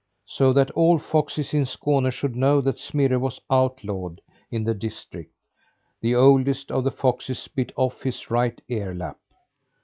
So that all foxes in Skåne should know that Smirre was outlawed in the district, the oldest of the foxes bit off his right earlap.